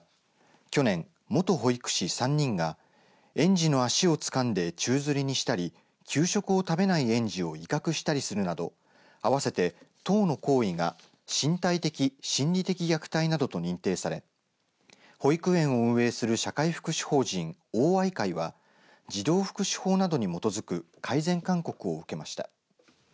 去年、元保育士３人が園児の足をつかんで宙づりにしたり給食を食べない園児を威嚇したりするなど合わせて１０の行為が身体的、心理的虐待などと認定され保育園を運営する社会福祉法人桜愛会は児童福祉法などに基づく改善勧告を受けました。